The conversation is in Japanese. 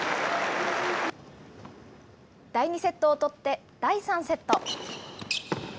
第２セットを取って第３セット。